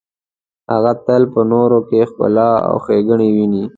هغه تل په نورو کې ښکلا او ښیګڼې ویني.